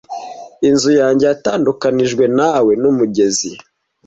Inzu yanjye yatandukanijwe na we n'umugezi.